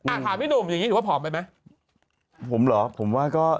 อ่ะถามพี่หนุ่มอย่างงี้ถือว่าผอมไปไหมผมเหรอผมว่าก็